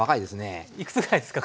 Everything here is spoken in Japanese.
いくつぐらいですか？